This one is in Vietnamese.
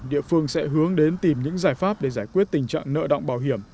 địa phương sẽ hướng đến tìm những giải pháp để giải quyết tình trạng nợ động bảo hiểm